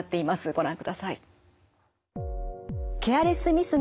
ご覧ください。